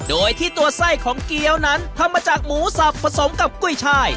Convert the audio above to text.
โดยที่ตัวไส้ของเกี้ยวนั้นทำมาจากหมูสับผสมกับกุ้ยชาย